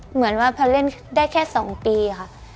เหมือนว่าพอเล่นได้แค่๒ปีค่ะ